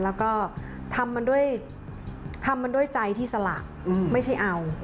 แล้วก็ทำมันด้วยใจที่สละไม่ใช่เอา